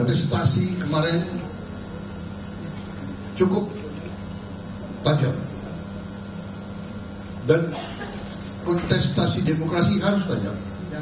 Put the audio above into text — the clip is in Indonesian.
kontestasi kemarin cukup tajam dan kontestasi demokrasi harus tajam